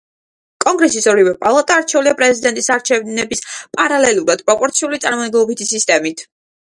კონგრესის ორივე პალატა არჩეულია პრეზიდენტის არჩევნების პარალელურად პროპორციული წარმომადგენლობითი სისტემით.